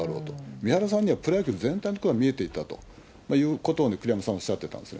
三原さんにはプロ野球全体のことが見えていたということが栗山さんはおっしゃってたんです。